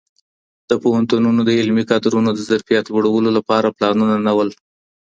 د پوهنتونونو د علمي کادرونو د ظرفیت لوړولو لپاره پلانونه نه وه.